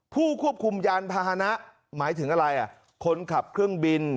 ผู้ควบคุมยานพาหนะหมายถึงอะไรคนขับเครื่องบิน